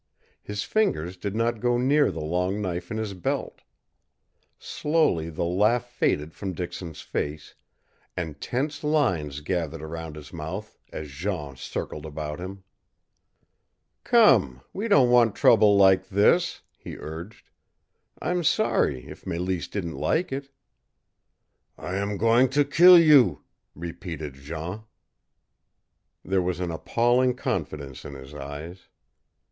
His fingers did not go near the long knife in his belt. Slowly the laugh faded from Dixon's face, and tense lines gathered around his mouth as Jean circled about him. "Come, we don't want trouble like this," he urged. "I'm sorry if Mélisse didn't like it." "I am going to kill you!" repeated Jean. There was an appalling confidence in his eyes.